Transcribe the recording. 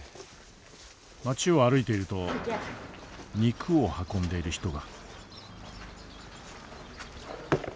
町を歩いていると肉を運んでいる人が。